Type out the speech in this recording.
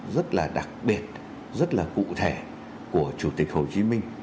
rất là đặc biệt rất là cụ thể của chủ tịch hồ chí minh